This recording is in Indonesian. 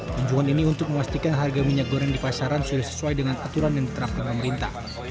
kunjungan ini untuk memastikan harga minyak goreng di pasaran sudah sesuai dengan aturan yang diterapkan pemerintah